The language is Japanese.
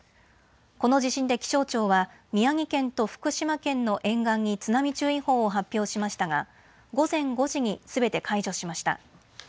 この地震で気象庁は宮城県と福島県の沿岸に津波注意報を発表しましたが午前５時にすべて解除しました。